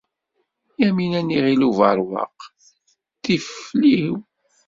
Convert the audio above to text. Yamina n Yiɣil Ubeṛwaq tifliw.